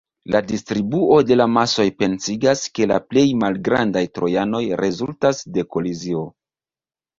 La distribuo de la masoj pensigas, ke la plej malgrandaj trojanoj rezultas de kolizio.